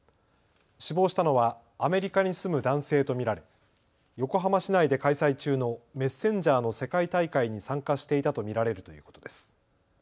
死亡したのはアメリカに住む男性と見られ横浜市内で開催中のメッセンジャーの世界大会に参加していたと見られるということです。